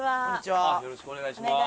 よろしくお願いします。